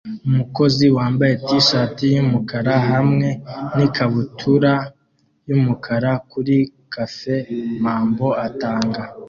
Umukozi wambaye T-shati yumukara hamwe n ikabutura yumukara kuri Cafe Mambo atanga